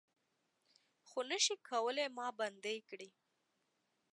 خو نه شئ کولای ما بندۍ کړي